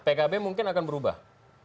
tapi mungkin akan berubah